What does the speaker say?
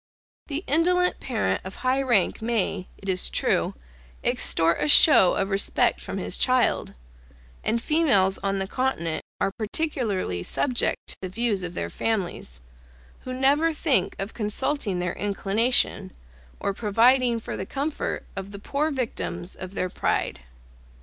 The indolent parent of high rank may, it is true, extort a show of respect from his child, and females on the continent are particularly subject to the views of their families, who never think of consulting their inclination, or providing for the comfort of the poor victims of their pride.